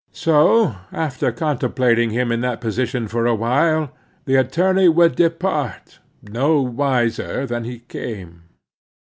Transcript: So after contemplating him in that position for a time, the attorney would depart, no wiser than he came.